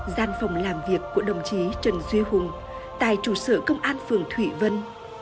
gian phòng làm việc của đồng chí trần duy hùng tại trụ sở công an phường thủy vân